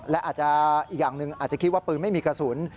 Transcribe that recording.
และอาจจะอีกอย่างหนึ่งอาจจะคิดว่าปืนไม่มีกระสุน